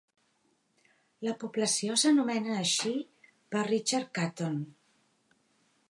La població s'anomena així per Richard Caton.